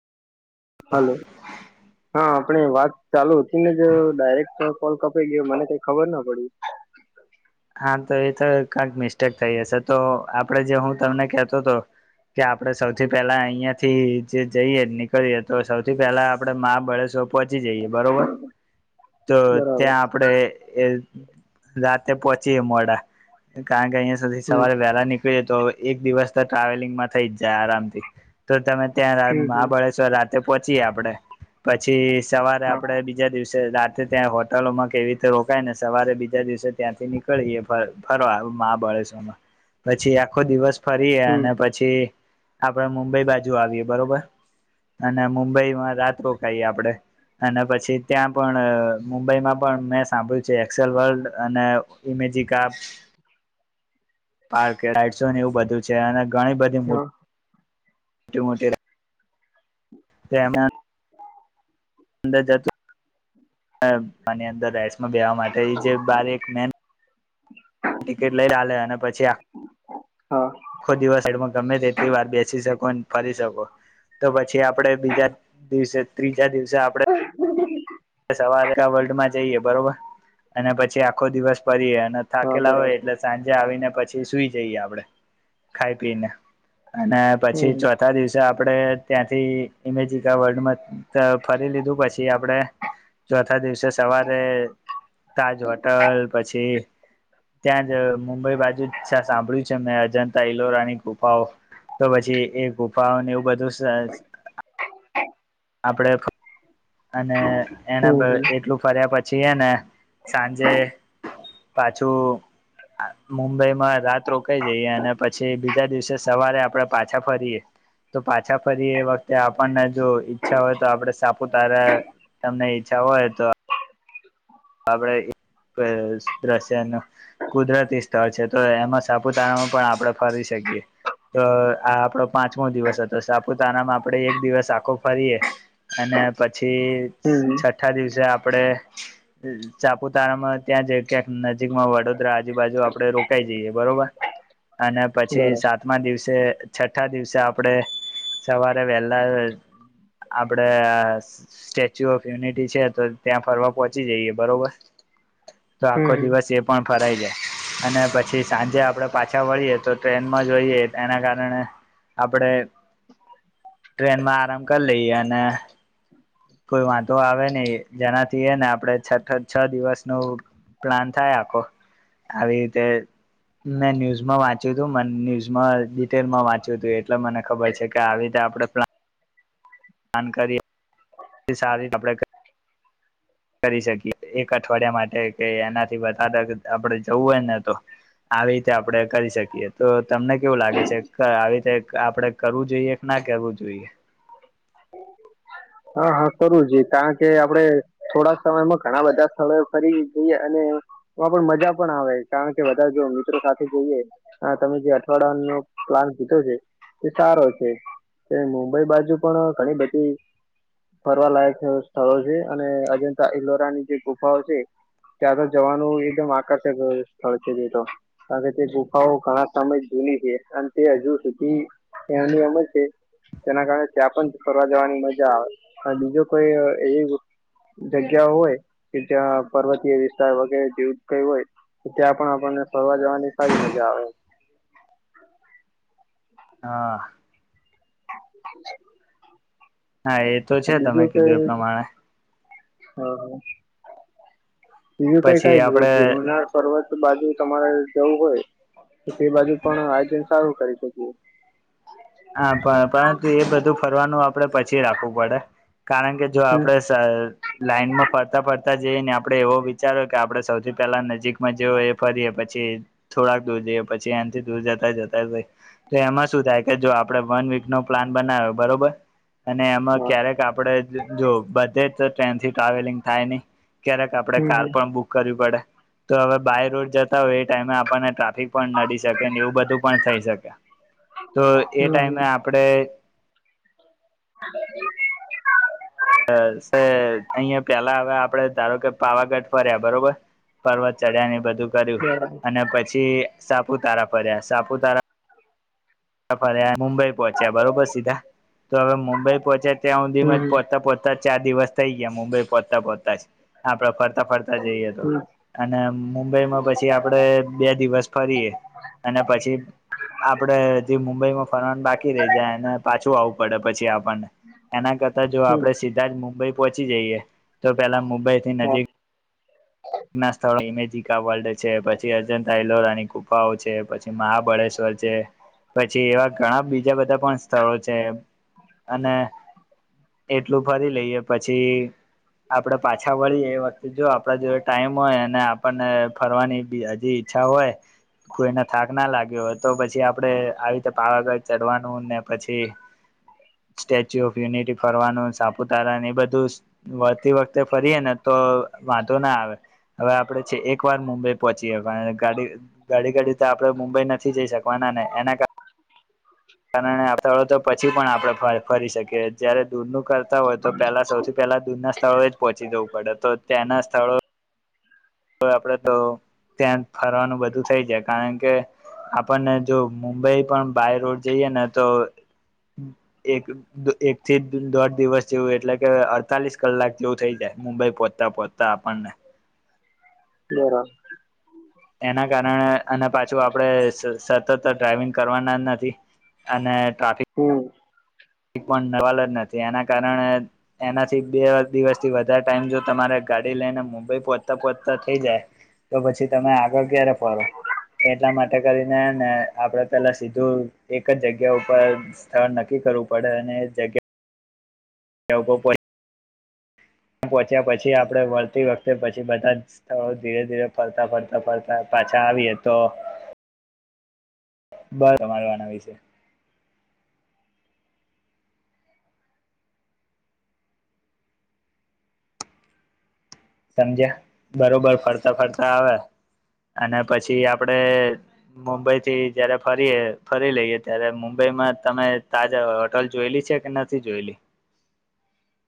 Hello હા આપણે વાત ચાલુ ઉથી ને જ ડાયરેક્ટ કોલ કપાઈ ગયો મને કઈ ખબર ન પડી હા તો એ તો કંક મિસ્ટેક થઈ હશે તો આપડે જે હું તમને કે તો તો કે આપડ સૌથી પેલા અહિયાંથી જે જઈએ નીકળીએ તો સૌથી પેલા આપડે મહાબળેસવર પહોંચી જઈએ બરોબર તો બરાબર ત્યાં આપડે એ જાતે પોચ ચીયે મોડા કારણ કે અહીંયા સુધી હમ સવારે વહેલા નીકળે તો એક દિવસ તો ટ્રાવેલિંગમાં થઈ જ જાય આરામથી તો તમે ત્યાં હમ હમ મહાબળશ્વર રા તે પહોંચીએ આપડે પછી સવારે હા આપડે બીજા દિવસે સે રાતે ત્યાં હોટલોમાં કેવી રીતે રોકાય ને સવારે બીજા દિવસે ત્યાંથી નીક ળયે ફ ફરવા મહાબળેશ્વરમાં પછી આખો દિવસ ફરીએ હમ અને પછી આપણે મુંબઈ બાજુ આવીએ બરોબર અને મુંબઈમાં રાત રોકાઈએ આપડે અને પછી ત્યાં પણ મુંબઈમાં પણ મેં સાંભળ્યું છે એક્સેલ વર્લ્ડ અને એઇમેજીિકા પાર્કઇટસો ને એવું બધું છે અને ઘણી બધી મોટ હા મોટી મોટી તેમન અંદર જતું [unintelligible] મ અંદર રહેશે બેવા માટે જે બારી એક મેન ટિકિટ લઈ લલેે અને પછી હા ખો દિવસ સાઈડમાં ગમે તેટલી વાર બેસી શકો ફરી શકો તો પછી આપડે બીજા દિવસે ત્રીજા દિવસે આપડે સવારે વર્લ્ડમાં જઈએ બરોબર અને પછી આખો દિવસ પરી અને હા થાકેલા બરાબર હોય એટલે સાંજે આવીને પછી સુઈ જઈએ આપડે ખાઈ પીને અને પછી હમ ચોથા દિવસે આપ આપણેે ત્યાંથી ઇમેજિકા વર્લ્ડમાં ફરી લીધું પછી આપણે ચોથ થા દિવસે સવારે તાજ હોટલ પછી ત્યાં જ કોઈ બાજુ સાંભળ્યું છે એમ ભજન? તૈલોરાની ગુફાઓ તો પછી એ ગુફાઓને એવું બધું શાયદ આપડે અને એના પ હમ હમ એટલું ફર્યા પછી જીએ ને સાંજે પાછું મુંબઈમાં રાત રોકાઈ જઈએ અને પછી બી બીજા દિવસે સવારે આપણે પાછા ફરીએ તો પાછા ફરીએ વખતે આપણને જો ઈચ્છા હોય તો આપણે સાપુતારા તમને ઈચ્છા હોય તો આપણે એક દ્રશ્યનું કુદરતી સ્થળ છે તો એમાં સાપુતારામાં પણ આપણે ફરી શકીએ. તો આ આપણો પાંચમો દિવસ હતો સાપુતારામાં આપણે એક દિવસ આખો ફરીએ જ. અને પછી હમ છઠ્ઠા દિવસે આપ આપડે. સાપુતારામાં ત્યાં જએ ક્યાંક નજીકમાં વડોદ દરા આજુબાજુ આપડે રોકાઈ જઈએ. બરોબર. અને પછી બરાબર સાતમા દિવસે છઠ્ઠા દિવસે આપણે સવારે વહેલા આપણેે સ્ટેચ્યુ ઓફ યુનિટી છે તો ત્યાં ફરવા પોહચ ચી જઈએ બરોબર. તો આખો હમ દિવસ એ પણ ફરાઈ જાય. અને પછી સાંજે આપણે પાછા વળીએ તો ટ્રેનમાં જોઈએ એના કારણે આપણે ટ્રેનમાં આરામ કરી લઈએ અને કોઈ વાંધો આવે નહી જેનાથી હેને આપ આપડે છઠા છ દિવસનુ પ્લાન થાય આખો આવી રીતે મેં ન્યૂઝમાં વાંચ્યું હતું મ ન્યૂઝમાં ડિટેલમાં વાંચ્યું હતું એટલે મને ખબર છે કે આવી રીતે આપણે પ્લા જાણકારી એ સારી આપડે કરી શકીએ એક અઠવાડિયા માટે કે એનાથી વધારે આપણે જવું હોય ને તો આવી રીતે આપણે કરી શકીએ તો તમને કેવું લાગે છે આવી રીતે આપણે કરવું જોઈએ કે ના કરવું જોઈએ? હા હા કરવુ જોઈએ કારણ કે આપડે થોડા સમયમાં ઘણા બધા સ્થળો ફરી જઈએ અને એમાં પણ મજા પણ આવે કારણ કે બધા જો મિત્રો સાથે જોઈએ તમે જે અઠવાડિયાનો પ્લાન કીધો છે તે સારો છે મુંબઈ બાજુ પણ ઘણી બધી ફરવા લાયક સ્થળો છે અને અજંતા ઇલોરા ની જે ગુફાઓ છે ત્યાં તો જવાનું એકદમ આકર્ષક સ્થળ છે. જે કારણ કે તે ગુફાઓ ઘણા સમય જૂની છે અને તે હજુ સુધી એની અમજ છે તેના કારણે ત્યાં પણ ફરવા જવાની મ મજા આવે પણ બીજું કોઈ એવી જગ્યા હોય કે જ્યાં પર્વતીય વિસ્તાર વગેરે જેવું કઈ હોય તો ત્યાં પણ આપણને ફરવા જવાની સારી મજા આવે. હા. [inaudible] હા એ તો છે તમે બીજું કઈ કીધું એ પ્રમાણે. બીજું કઈ પછી કઈ આપડે જમનાર પર્વત બાજુ તમારે જવું હોય તો તે બાજુ પણ આયોજન સારું કરી શકીએ. હા પણ પરંતુ એ બધું ફરવાનું આપડે પછી રાખવું પડે. કારણ કે જો હમ આપણેે લાઈનમાં ફરતા ફરતા જઈએ ને આપડે એવો વિચારો કે આપડણે સૌથી પેલા નજીકમાં જ એ ફરીએ પછી થોડાક દૂર જઈએ પછી એનાથી દૂર જતા જતા હોય તો એમાં શું થાય. કે જો આપડે વન વીક નો પ્લાન બનાવ્યો બરોબર. અને એમાં હા. ક્યારેક આપડે જો બધે ટ્રેન થી ટ્રાવેલિંગ થાય નહી. ક્યારેક આપડણે હમ કાર હમ પણ બુક કરવી પડે. તો હવે બાય રોડ જતા હોય એ ટાઈમે આપણને ટ્રાફિક પણ નડી શકેને એવું બધું પણ થઈ શકે. તો એ હમ ટાઈમે આપણે હ [inaudible] અહિયાં પેલા હવે આપડે ધારો કે પાવાગઢ ફર્યા બરોબર. પર્વત ચડ્યા ને બધું કર્યું બરાબર. અને પછી સાપુતારા પડ્યા સાપુતારા ફર્યાં. મુંબઈ પહોંચ્યા બરોબર સીધા તો હવે મુંબઈ પહોંચ્યા ત્યાં સુધીમાં જ હમ પહોંચતા પહોંચતા ચાર દિવસ થઈ ગયા મુંબઈ પહોચતા પહોચતા આપડે ફરતા ફરતા જઈએ તો હમ અને મુંબઈમાં પછી આપડે બે દિવસ ફરીએ અને પછી આપડે મુંબઈમાં ફરવાન બાકી રહી જાય અને પાછું આવું. પડે પછી આપ એના કરતા જો હમ આપડે સીધા જ મુંબઈ પહોચી જઈએ. તો પેલા મુંબઈ થી હા નજીક ના [inaudible] વર્લ્ડ છે પછી અજતાઇલોરાની કુફાઓ છે પછી મહાબળેશ્વર છે પછી એવા ઘણા બીજા બધા પણ સ્થળો છે અને એટલું ફરી લઈએ પછી આપડે પાછા વળીએ એ વખતે જો આપડા જો ટાઈમ હોય અને આપણને ફરવાની હજી ઈચ્છા હોય કોઈને થાક ના લાગ્યો હોય તો પછી આપડે આવી રીતે પાવાગઢ ચઢવાનું ને પછી સ્ટેચ્યુ ઓફ યુનિટી ફરવાનું સાપુતારા એ બધું વળતી વખતે ફરીએ ને તો વાંધો ના આવે. હવે આપણેે છે એક વાર મુંબઈ પહોંચીવાનાડી ગાડી ઘાડી તો આપણે મુંબઈ નથી જઈ શકવાના ને એના કારણેડ તો પછી પણ આપણે ફરી શકીએ જયારે દૂરનું હોય તો પહેલા સૌથી પહેલા દુના સ્થળોએ જ પહોંચી જવું પડે તો ત્યાંના સ્થળો તો આપડે તો ત્યાં ફરવાનું બધું થઇ જાય કારણ કે. આપણને જો મુંબઈ પણ બાય રોડ જઈએ ને તો એક એક થી દોઢ દિવસ જેવું એટલે કે અડતાલીસ કલાક જેવું થઈ જાય મુંબઈ પોહોચતા પહોચતા આપણને. બરાબર. એના કારણે અને પાછું આપણેે સતત ડ્રાઈવિંગ કરવાના નથી અને થાકી હમ તેના કારણે એનાથી બે દિવસથી વધારે ટાઈમ જો તમારે ગાડી લઈને મુંબઈ પહોંચતા પહોચતા થઈ જાય તો પછી તમે આગળ ક્યારે ફરો એટલા માટે કરીનેને આપણે પહેલા સીધું એક જ જગ્યા ઉપર સ્થળ નક્કી કરવું પડે અને જગ્યા [inaudible] પહોંચ્યા પછી આપડે વળતી વખતે પછી બધા સ્થળો ધીરે ધીરે ફરતા ફરતા ફરતા પાછા આવીએ તો બસ અર આના વિશે સમજ્યા બરોબર ફરતા ફરતા આવે અને પછી આપડે મુંબઈ થી જયારે ફરીએ ફરી લઈએ ત્યારે મુંબઈમાં તમે તાજા હોટલ જોયેલી છે કે નથી જોયેલી.